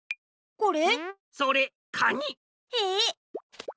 これ？